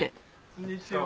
こんにちは！